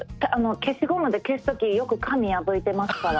消しゴムで消す時よく紙破いてますから。